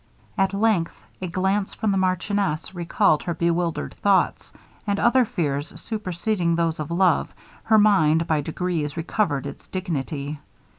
At length, a glance from the marchioness recalled her bewildered thoughts; and other fears superseding those of love, her mind, by degrees, recovered its dignity.